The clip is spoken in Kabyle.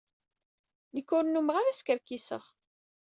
Nekk ur nnummeɣ ara skerkiseɣ.